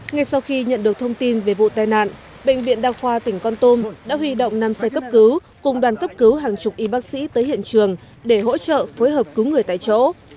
ngay sau khi nhận được thông tin về vụ tai nạn bệnh viện đa khoa tỉnh con tum đã huy động năm xe cấp cứu cùng đoàn cấp cứu hàng chục y bác sĩ tới hiện trường để hỗ trợ phối hợp cứu người tại chỗ